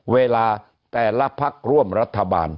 เวลาแต่ละพักร่วมรัฐบาล